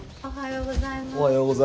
おはよう。